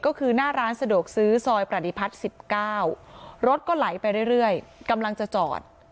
ก็คือหน้าร้านสะดวกซื้อซอยปฏิพัฒน์๑๙รถก็ไหลไปเรื่อยกำลังจะจอด